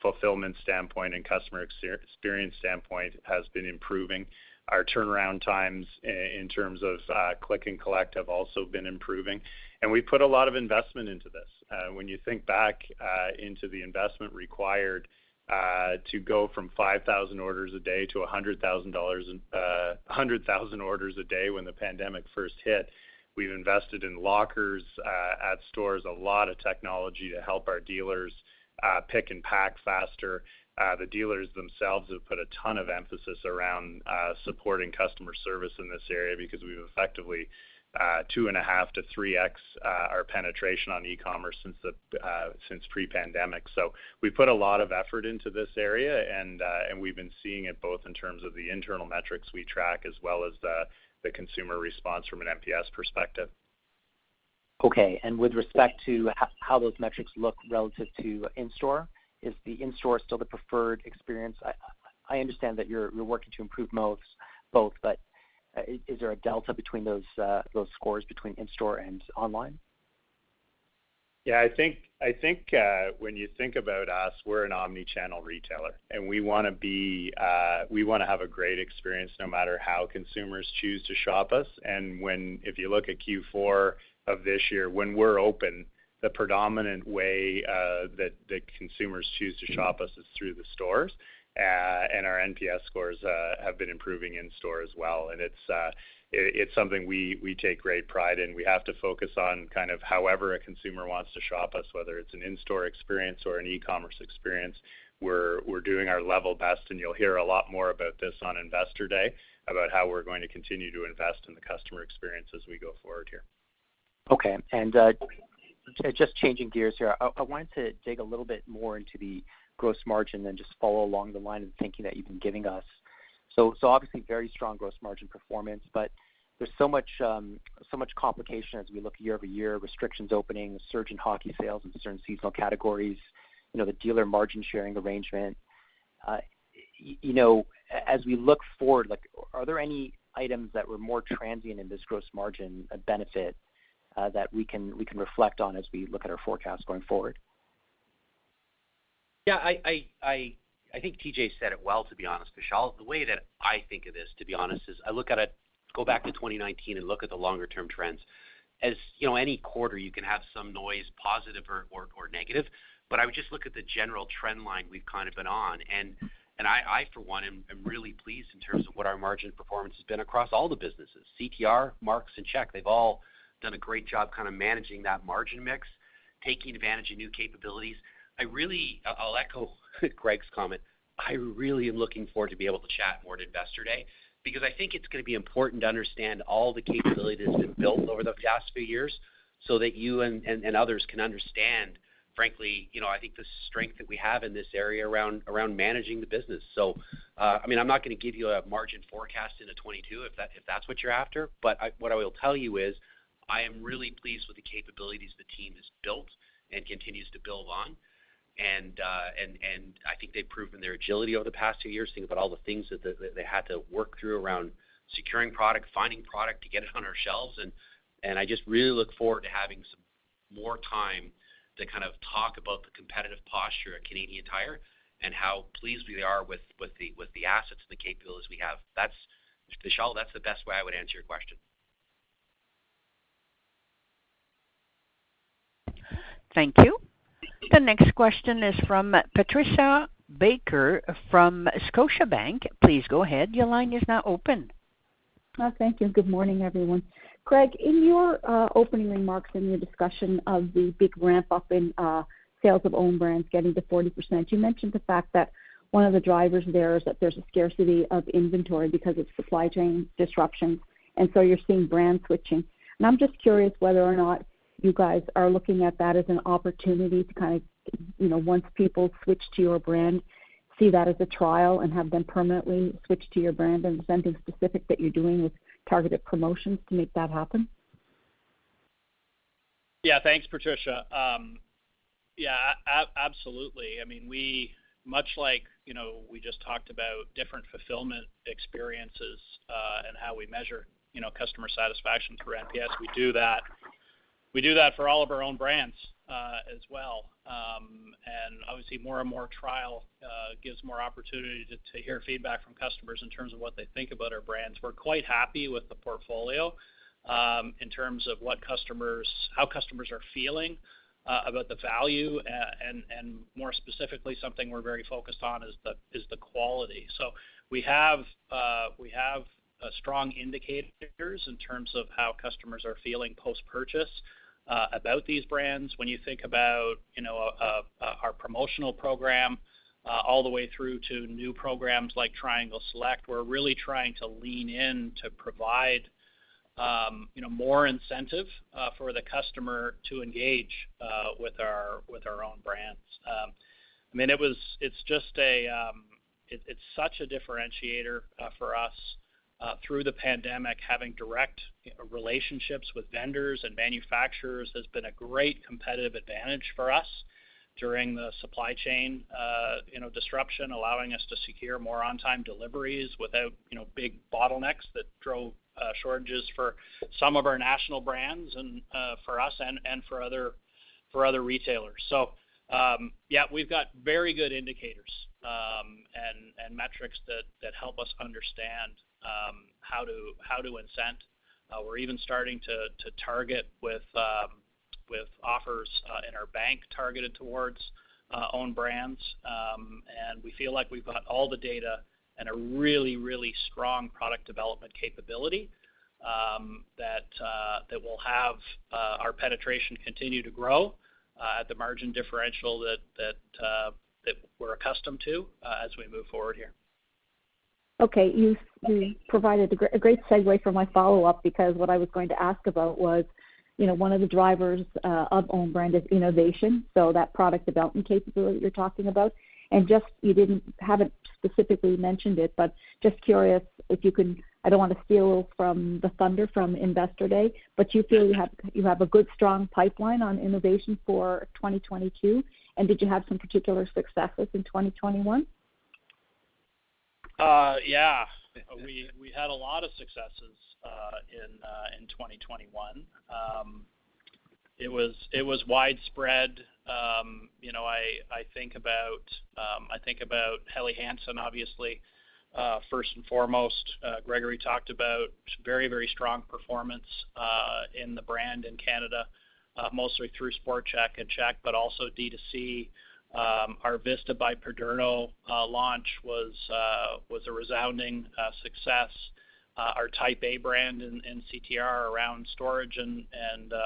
Speaker 6: fulfillment standpoint and customer experience standpoint has been improving. Our turnaround times in terms of click-and-collect have also been improving. We put a lot of investment into this. When you think back into the investment required to go from 5,000 orders a day to 100,000 orders a day when the pandemic first hit, we've invested in lockers at stores, a lot of technology to help our dealers pick and pack faster. The dealers themselves have put a ton of emphasis around supporting customer service in this area because we've effectively 2.5x-3x our penetration on e-commerce since pre-pandemic. We put a lot of effort into this area, and we've been seeing it both in terms of the internal metrics we track as well as the consumer response from an NPS perspective.
Speaker 9: Okay. With respect to how those metrics look relative to in-store, is the in-store still the preferred experience? I understand that you're working to improve both, but is there a delta between those scores between in-store and online?
Speaker 6: Yeah, I think when you think about us, we're an omnichannel retailer, and we wanna be, we wanna have a great experience no matter how consumers choose to shop us. If you look at Q4 of this year, when we're open, the predominant way that consumers choose to shop us is through the stores, and our NPS scores have been improving in store as well. It's something we take great pride in. We have to focus on kind of however a consumer wants to shop us, whether it's an in-store experience or an e-commerce experience. We're doing our level best, and you'll hear a lot more about this on Investor Day, about how we're going to continue to invest in the customer experience as we go forward here.
Speaker 9: Okay. Just changing gears here. I wanted to dig a little bit more into the gross margin and just follow along the line of thinking that you've been giving us. Obviously very strong gross margin performance, but there's so much complication as we look year-over-year, restrictions opening, a surge in hockey sales in certain seasonal categories, you know, the dealer margin sharing arrangement. You know, as we look forward, like are there any items that were more transient in this gross margin benefit, that we can reflect on as we look at our forecast going forward?
Speaker 4: Yeah, I think T.J. said it well, to be honest, Vishal. The way that I think of this, to be honest, is I look at it, go back to 2019 and look at the longer-term trends. You know, any quarter, you can have some noise, positive or negative, but I would just look at the general trend line we've kind of been on. I, for one, am really pleased in terms of what our margin performance has been across all the businesses. CTR, Mark's, and Sport Chek, they've all done a great job kind of managing that margin mix, taking advantage of new capabilities. I'll echo Greg's comment. I really am looking forward to be able to chat more at Investor Day because I think it's gonna be important to understand all the capabilities that have built over the past few years so that you and others can understand, frankly, you know, I think the strength that we have in this area around managing the business. I mean, I'm not gonna give you a margin forecast into 2022 if that's what you're after. But what I will tell you is I am really pleased with the capabilities the team has built and continues to build on. I think they've proven their agility over the past two years, thinking about all the things that they had to work through around securing product, finding product to get it on our shelves. I just really look forward to having some more time to kind of talk about the competitive posture at Canadian Tire and how pleased we are with the assets and the capabilities we have. That's, Vishal, the best way I would answer your question.
Speaker 1: Thank you. The next question is from Patricia Baker from Scotiabank. Please go ahead. Your line is now open.
Speaker 10: Thank you, and good morning, everyone. Greg, in your opening remarks, in your discussion of the big ramp-up in sales of own brands getting to 40%, you mentioned the fact that one of the drivers there is that there's a scarcity of inventory because of supply chain disruptions, and so you're seeing brands switching. I'm just curious whether or not you guys are looking at that as an opportunity to kind of, you know, once people switch to your brand, see that as a trial and have them permanently switch to your brand and something specific that you're doing with targeted promotions to make that happen.
Speaker 3: Yeah. Thanks, Patricia. Yeah, absolutely. I mean, we much like, you know, we just talked about different fulfillment experiences and how we measure, you know, customer satisfaction through NPS. We do that for all of our own brands as well. Obviously more and more trial gives more opportunity to hear feedback from customers in terms of what they think about our brands. We're quite happy with the portfolio in terms of how customers are feeling about the value and more specifically, something we're very focused on is the quality. We have strong indicators in terms of how customers are feeling post-purchase about these brands. When you think about, you know, our promotional program all the way through to new programs like Triangle Select, we're really trying to lean in to provide, you know, more incentive for the customer to engage with our own brands. I mean, it's just such a differentiator for us through the pandemic, having direct, you know, relationships with vendors and manufacturers has been a great competitive advantage for us during the supply chain, you know, disruption, allowing us to secure more on-time deliveries without, you know, big bottlenecks that drove shortages for some of our national brands and for us and for other retailers. Yeah, we've got very good indicators and metrics that help us understand how to incent. We're even starting to target with offers in our bank targeted towards own brands. We feel like we've got all the data and a really strong product development capability that will have our penetration continue to grow at the margin differential that we're accustomed to as we move forward here.
Speaker 10: Okay. You provided a great segue for my follow-up because what I was going to ask about was, you know, one of the drivers of own brand is innovation, so that product development capability that you're talking about. You haven't specifically mentioned it, but just curious if you can. I don't want to steal the thunder from Investor Day, but do you feel you have a good, strong pipeline on innovation for 2022, and did you have some particular successes in 2021?
Speaker 3: Yeah. We had a lot of successes in 2021. It was widespread. You know, I think about Helly Hansen obviously, first and foremost. Gregory talked about very strong performance in the brand in Canada, mostly through Sport Chek and Chek, but also D2C. Our Vida by PADERNO launch was a resounding success. Our type A brand in CTR around storage and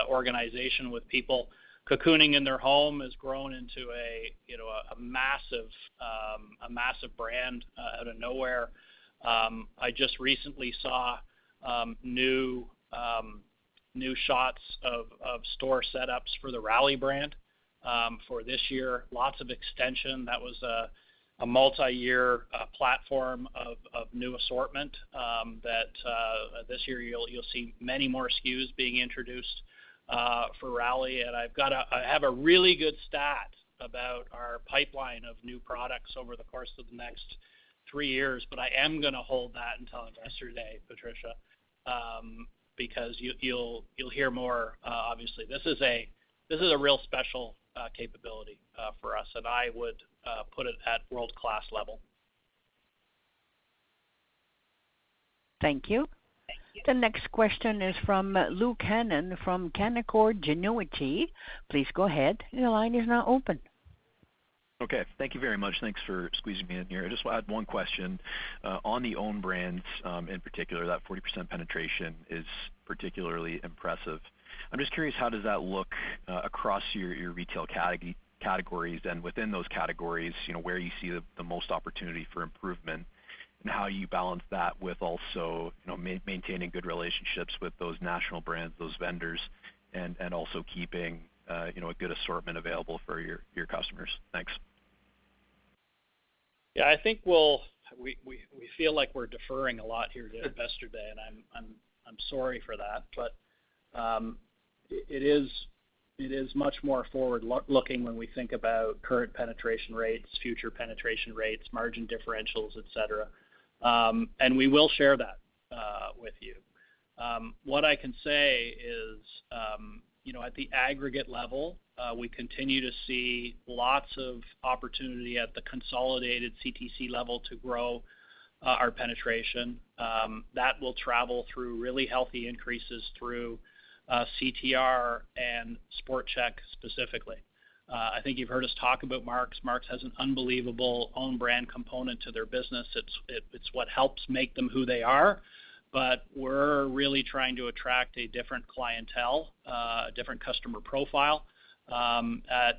Speaker 3: organization with people cocooning in their home has grown into a massive brand out of nowhere. I just recently saw new shots of store setups for the Rally brand for this year. Lots of extension. That was a multiyear platform of new assortment that this year you'll see many more SKUs being introduced for Rally. I have a really good stat about our pipeline of new products over the course of the next three years, but I am gonna hold that until Investor Day, Patricia, because you'll hear more obviously. This is a real special capability for us, and I would put it at world-class level.
Speaker 1: Thank you.
Speaker 3: Thank you.
Speaker 1: The next question is from Luke Hannan from Canaccord Genuity. Please go ahead. Your line is now open.
Speaker 11: Okay. Thank you very much. Thanks for squeezing me in here. I just had one question. On the own brands, in particular, that 40% penetration is particularly impressive. I'm just curious, how does that look across your retail categories and within those categories, you know, where you see the most opportunity for improvement and how you balance that with also, you know, maintaining good relationships with those national brands, those vendors, and also keeping a good assortment available for your customers. Thanks.
Speaker 3: Yeah, I think we feel like we're deferring a lot here today, Investor Day, and I'm sorry for that. It is much more forward-looking when we think about current penetration rates, future penetration rates, margin differentials, et cetera. We will share that with you. What I can say is, you know, at the aggregate level, we continue to see lots of opportunity at the consolidated CTC level to grow our penetration that will travel through really healthy increases through CTR and Sport Chek specifically. I think you've heard us talk about Mark's. Mark's has an unbelievable own brand component to their business. It's what helps make them who they are. We're really trying to attract a different clientele, a different customer profile, at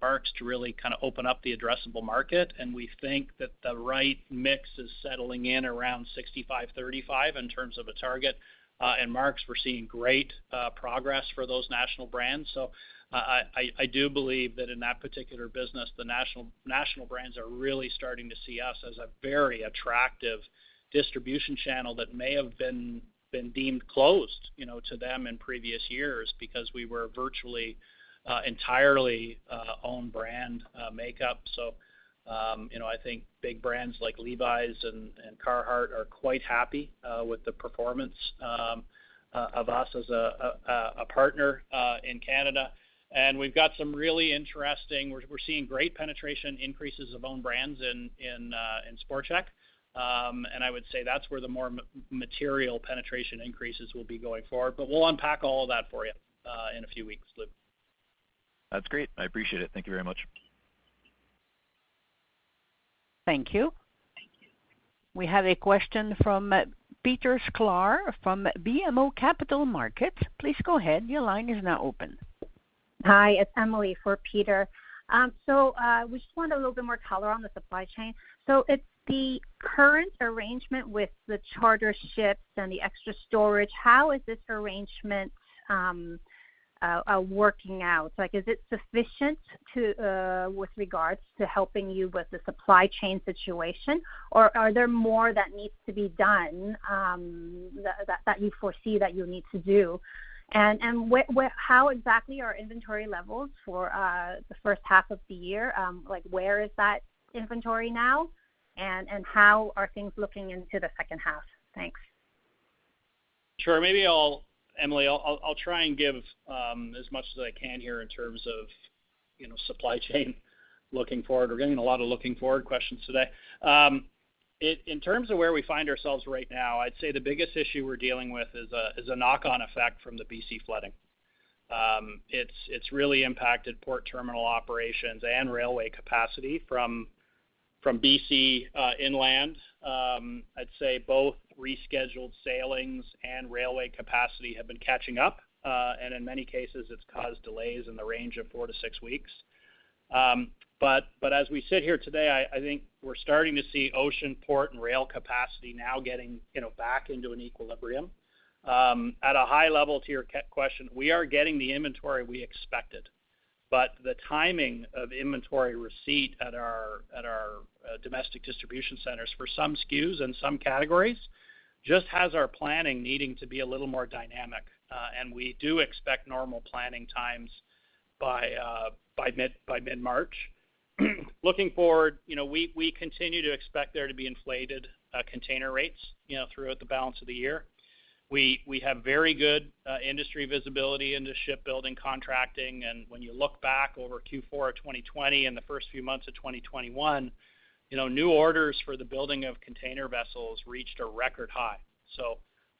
Speaker 3: Mark's to really kind of open up the addressable market. We think that the right mix is settling in around 65%-35% in terms of a target. Mark's, we're seeing great progress for those national brands. I do believe that in that particular business, the national brands are really starting to see us as a very attractive distribution channel that may have been deemed closed, you know, to them in previous years because we were virtually entirely own brand makeup. You know, I think big brands like Levi's and Carhartt are quite happy with the performance of us as a partner in Canada. We're seeing great penetration increases of own brands in Sport Chek. I would say that's where the more material penetration increases will be going forward. We'll unpack all of that for you in a few weeks, Luke.
Speaker 11: That's great. I appreciate it. Thank you very much.
Speaker 1: Thank you.
Speaker 3: Thank you.
Speaker 1: We have a question from Peter Sklar from BMO Capital Markets. Please go ahead. Your line is now open.
Speaker 12: Hi, it's Emily for Peter Sklar. We just wanted a little bit more color on the supply chain. If the current arrangement with the charter ships and the extra storage, how is this arrangement working out? Like, is it sufficient to, with regards to helping you with the supply chain situation, or are there more that needs to be done, that you foresee that you need to do? What how exactly are inventory levels for the first half of the year? Like, where is that inventory now, and how are things looking into the second half? Thanks.
Speaker 3: Sure. Maybe Emily, I'll try and give as much as I can here in terms of, you know, supply chain looking forward. We're getting a lot of looking forward questions today. In terms of where we find ourselves right now, I'd say the biggest issue we're dealing with is a knock-on effect from the BC flooding. It's really impacted port terminal operations and railway capacity from BC inland. I'd say both rescheduled sailings and railway capacity have been catching up. In many cases, it's caused delays in the range of four to six weeks. As we sit here today, I think we're starting to see ocean port and rail capacity now getting, you know, back into an equilibrium. At a high level, to your question, we are getting the inventory we expected, but the timing of inventory receipt at our domestic distribution centers for some SKUs and some categories just has our planning needing to be a little more dynamic. We do expect normal planning times by mid-March. Looking forward, you know, we continue to expect there to be inflated container rates, you know, throughout the balance of the year. We have very good industry visibility into shipbuilding contracting, and when you look back over Q4 of 2020 and the first few months of 2021, you know, new orders for the building of container vessels reached a record high.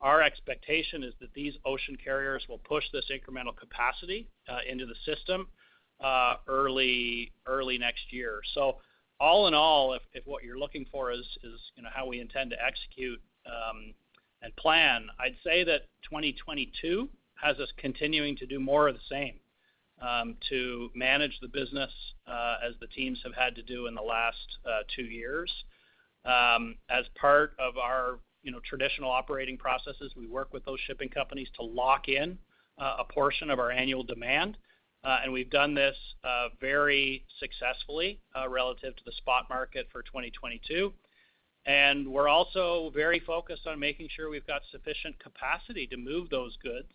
Speaker 3: Our expectation is that these ocean carriers will push this incremental capacity into the system early next year. All in all, if what you're looking for is, you know, how we intend to execute and plan, I'd say that 2022 has us continuing to do more of the same, to manage the business, as the teams have had to do in the last two years. As part of our, you know, traditional operating processes, we work with those shipping companies to lock in a portion of our annual demand, and we've done this very successfully relative to the spot market for 2022. We're also very focused on making sure we've got sufficient capacity to move those goods.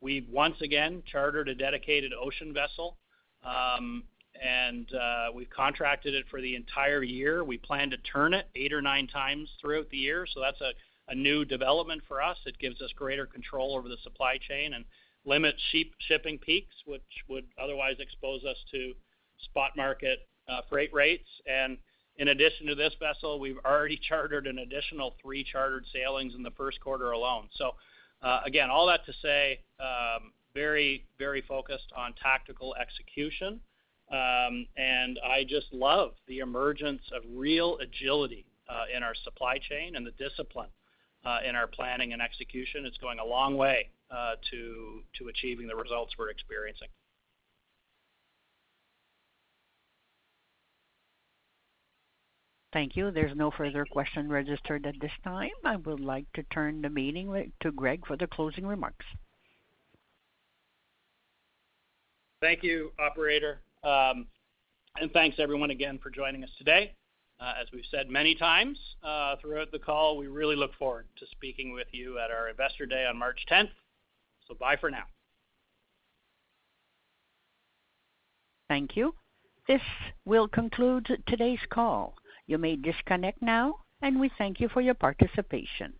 Speaker 3: We've once again chartered a dedicated ocean vessel, and we've contracted it for the entire year. We plan to turn it eight or nine times throughout the year, so that's a new development for us. It gives us greater control over the supply chain and limits shipping peaks, which would otherwise expose us to spot market freight rates. In addition to this vessel, we've already chartered an additional three chartered sailings in the first quarter alone. Again, all that to say, very, very focused on tactical execution. I just love the emergence of real agility in our supply chain and the discipline in our planning and execution. It's going a long way to achieving the results we're experiencing.
Speaker 1: Thank you. There's no further question registered at this time. I would like to turn the meeting to Greg for the closing remarks.
Speaker 3: Thank you, operator. Thanks everyone again for joining us today. As we've said many times, throughout the call, we really look forward to speaking with you at our Investor Day on March 10th. Bye for now.
Speaker 1: Thank you. This will conclude today's call. You may disconnect now, and we thank you for your participation.